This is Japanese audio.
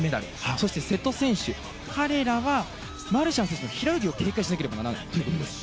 そして、瀬戸選手彼らはマルシャン選手の平泳ぎを警戒しなければならないということです。